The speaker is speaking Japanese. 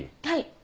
はい。